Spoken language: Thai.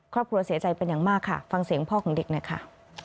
ครอบครัวเสียใจเป็นอย่างมากค่ะฟังเสียงพ่อของเด็กหน่อยค่ะ